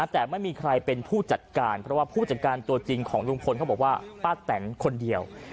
แต่ไม่มีใครเป็นผู้จัดการเพราะว่าผู้จัดการตัวจริงของลุงพลเขาบอกว่าป้าแตนคนเดียว